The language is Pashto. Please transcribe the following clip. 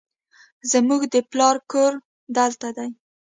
زموږ د پلار کور دلته دی